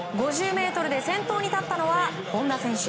５０ｍで先頭に立ったのは本多選手。